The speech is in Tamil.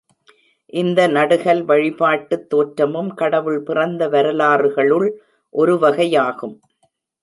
இந்த நடுகல் வழிபாட்டுத் தோற்றமும் கடவுள் பிறந்த வரலாறுகளுள் ஒருவகை யாகும்.